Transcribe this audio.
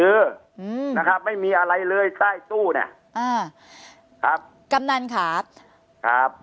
อืมนะครับไม่มีอะไรเลยใต้ตู้เนี้ยอ่าครับกำนันครับครับ